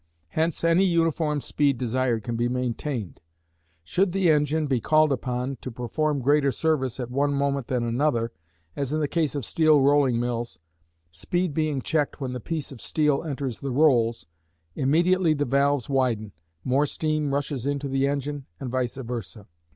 Hence any uniform speed desired can be maintained: should the engine be called upon to perform greater service at one moment than another, as in the case of steel rolling mills, speed being checked when the piece of steel enters the rolls, immediately the valves widen, more steam rushes into the engine, and vice versa.